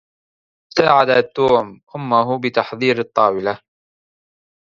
ساعدَ توم أمه، بتحضير الطاولة.